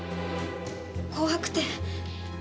怖くて。